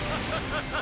ハハハハ！